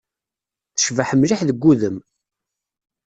Tecbeḥ mliḥ deg wudem.